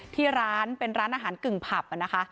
ที่ร้านเป็นร้านอาหารกึ่งผับนะคะ